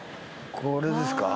これですか？